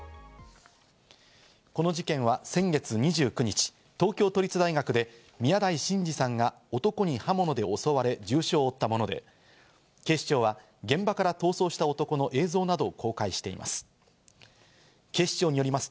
この事件は先月２９日、東京都立大学で宮台真司さんが男に刃物で襲われ、重傷を負ったもので、警視庁は現場から逃走した男の映像などを公開しています。